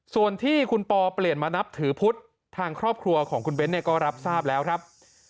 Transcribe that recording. ส่วนที่คุณปอเปลี่ยนมานับถือพุทธทางครอบครัวของคุณเบ้นเนี่ยก็รับทราบแล้วครับ